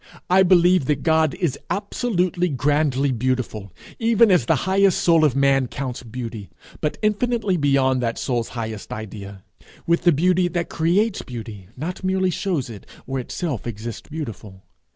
I believe that God is absolutely, grandly beautiful, even as the highest soul of man counts beauty, but infinitely beyond that soul's highest idea with the beauty that creates beauty, not merely shows it, or itself exists beautiful.